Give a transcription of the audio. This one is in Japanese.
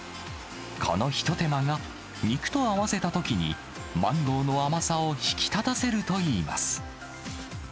この一手間が肉と合わせたときにマンゴーの甘さを引き立たせるといいます。